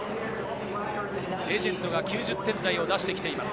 レジェンドが９０点台を出してきています。